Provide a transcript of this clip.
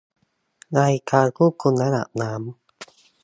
ในการควบคุมระดับน้ำ